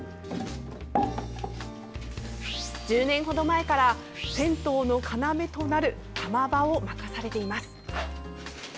１０年程前から、銭湯の要となる釜場を任されています。